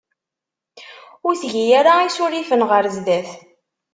Ur tgi ara isurifen ɣer sdat.